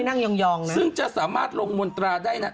ไม่นั่งหย่องนะซึ่งจะสามารถลงมนตรได้นะ